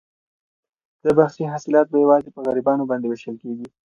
د باغچې حاصلات به یوازې په غریبانو باندې وېشل کیږي.